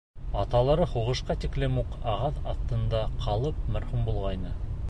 Аталары һуғышҡа тиклем үк, ағас аҫтында ҡалып мәрхүм булғайны.